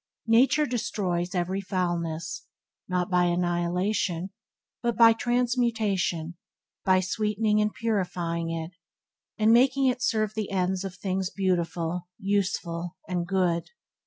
Nature destroys every foulness, not by annihilation, but by transmutation, by sweetening and purifying it, and making it serve the ends of things beautiful, useful and good.